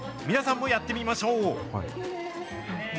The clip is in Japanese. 皆さんもやってみましょう。